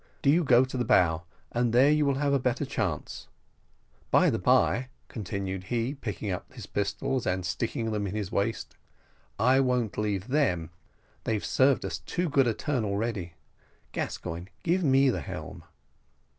Do you go to the bow, and there you will have a better chance. By the bye," continued he, picking up his pistols, and sticking them into his waist, "I won't leave them, they've served us too good a turn already. Gascoigne, give me the helm."